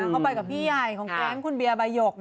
เขาไปกับพี่ใหญ่ของแก๊งคุณเบียร์ใบหยก